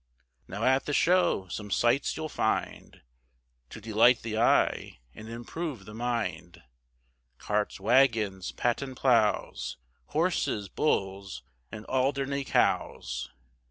Now at the Show some sights you'll find, To delight the eye and improve the mind, Carts, waggons, patent ploughs, Horses, bulls, and Alderney cows.